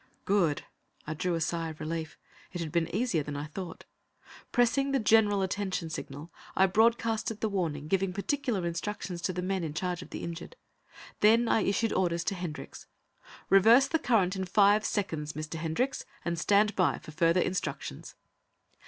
"Good!" I drew a sigh of relief. It had been easier than I thought. Pressing the general attention signal, I broadcasted the warning, giving particular instructions to the men in charge of the injured. Then I issued orders to Hendricks: "Reverse the current in five seconds, Mr. Hendricks, and stand by for further instructions."